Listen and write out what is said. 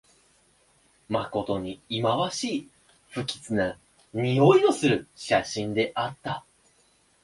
まことにいまわしい、不吉なにおいのする写真であった